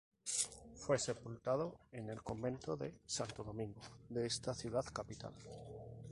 Fue sepultado en el Convento de Santo Domingo de esta ciudad capital.